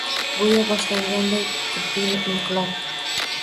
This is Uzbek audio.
Go’yo boshlanganday tibbiy inqilob: